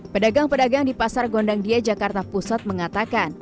pedagang pedagang di pasar gondang dia jakarta pusat mengatakan